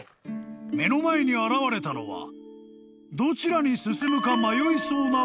［目の前に現れたのはどちらに進むか迷いそうな］